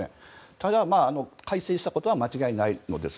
ただ、改正したことは間違いないのです。